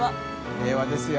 平和ですよ。